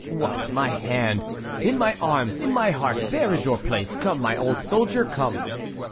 "What, my hand? In my arms, in my heart, there is your place! Come, my old soldier, come!"